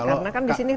karena kan di sini